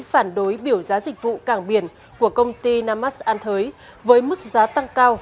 phản đối biểu giá dịch vụ cảng biển của công ty namas an thới với mức giá tăng cao